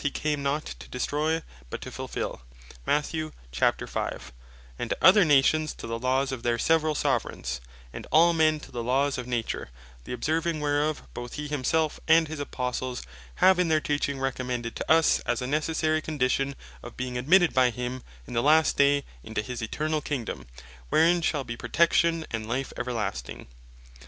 5.) he came not to destroy, but to fulfill,) and other Nations to the Laws of their severall Soveraigns, and all men to the Laws of Nature; the observing whereof, both he himselfe, and his Apostles have in their teaching recommended to us, as a necessary condition of being admitted by him in the last day into his eternall Kingdome, wherein shall be Protection, and Life everlasting.